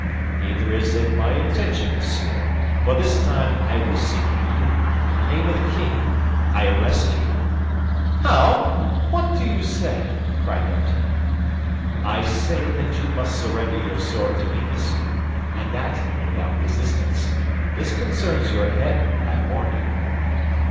"Neither is it my intention, monsieur, for this time I was seeking you; in the name of the king, I arrest you." "How! what do you say?" cried D'Artagnan. "I say that you must surrender your sword to me, monsieur, and that without resistance. This concerns your head, I warn you."